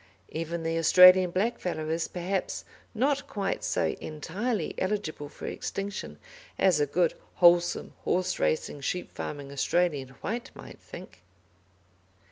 Even the Australian black fellow is, perhaps, not quite so entirely eligible for extinction as a good, wholesome, horse racing, sheep farming Australian white may think.